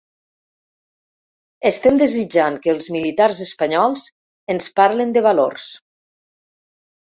Estem desitjant que els militars espanyols ens parlen de valors